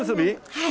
はい。